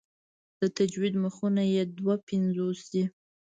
د تجوید مخونه یې دوه پنځوس دي.